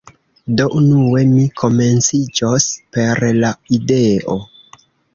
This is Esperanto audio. Do, unue mi komenciĝos per la ideo